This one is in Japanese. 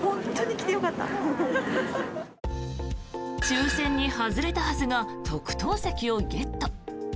抽選に外れたはずが特等席をゲット。